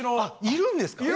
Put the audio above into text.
いるんですよ。